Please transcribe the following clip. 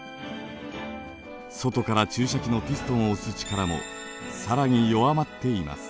外から注射器のピストンを押す力も更に弱まっています。